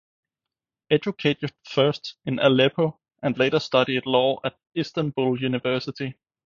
Educated first in Aleppo and later studied law at Istanbul University.